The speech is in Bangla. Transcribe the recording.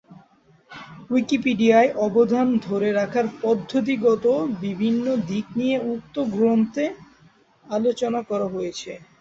উইকিপিডিয়ায় অবদান রাখার পদ্ধতিগত বিভিন্ন দিক নিয়ে উক্ত গ্রন্থে আলোচনা করা হয়েছে।